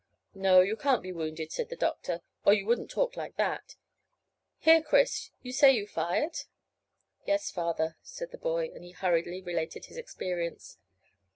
"No, you can't be wounded," said the doctor, "or you wouldn't talk like that. Here, Chris, you say you fired?" "Yes, father," said the boy, and he hurriedly related his experience.